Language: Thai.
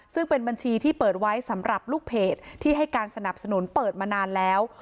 ซึ่งเป็นบัญชีที่เปิดไว้สำหรับลูกเพจที่ให้การสนับสนุนเปิดมานานแล้ว